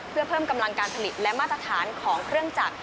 เพื่อเพิ่มกำลังการผลิตและมาตรฐานของเครื่องจักร